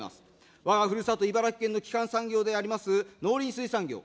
わがふるさと、茨城県の基幹産業である農林水産業。